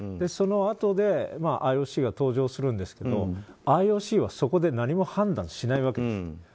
そのあとでＩＯＣが登場するんですけどＩＯＣはそこで何も判断しないわけです。